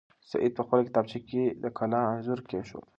سعید په خپله کتابچه کې د کلا انځور کېښود.